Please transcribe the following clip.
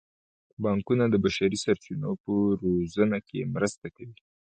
بانکونه د بشري سرچینو په روزنه کې مرسته کوي.